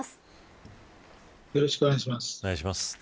よろしくお願いします。